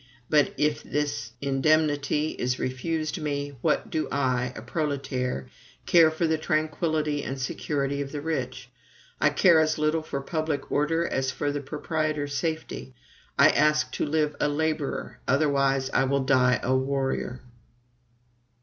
But if this indemnity is refused me, what do I, a proletaire, care for the tranquillity and security of the rich? I care as little for PUBLIC ORDER as for the proprietor's safety. I ask to live a laborer; otherwise I will die a warrior.